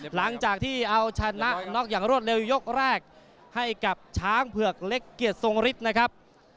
หลังจากที่เอาชนะน็อกอย่างรวดเร็วยกแรกให้กับช้างเผือกเล็กเกียรติทรงฤทธิ์นะครับ